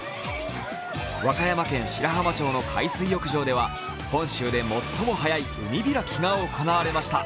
和歌山県白浜町の海水浴場では本州で最も早い海開きが行われました。